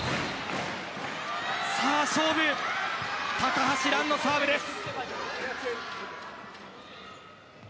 さあ勝負、高橋藍のサーブです。